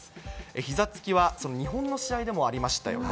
ひざつきは日本の試合でもありましたよね。